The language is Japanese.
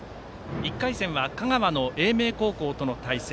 １回戦は香川の英明高校との対戦。